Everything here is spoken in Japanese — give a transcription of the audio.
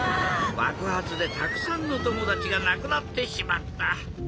ばくはつでたくさんのともだちがなくなってしまった。